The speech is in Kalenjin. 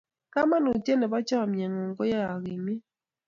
kamangunet nebo chamiet ng'un ko ae agimit